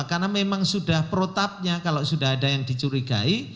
karena memang sudah protapnya kalau sudah ada yang dicurigai